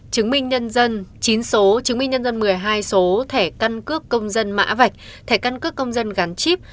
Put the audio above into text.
chứng minh nhân dân chín số chứng minh nhân dân một mươi hai số thẻ căn cước công dân mã vạch thẻ căn cước công dân gắn chip